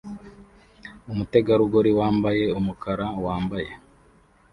Umutegarugori wambaye umukara wambaye